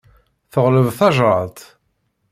Teɣleb tajṛadt.